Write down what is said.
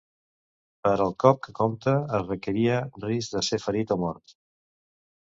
Per al cop que compta es requeria risc de ser ferit o mort.